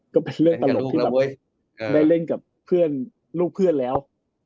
ก็เป็นเรื่องตลกที่ได้เล่นกับลูกเพื่อนแล้ว